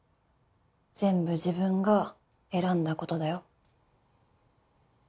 全部自分が選んだことだよ。